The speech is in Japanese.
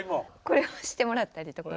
これをしてもらったりとか。